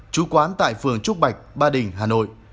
trú quán tại phường trúc bạch ba đình hà nội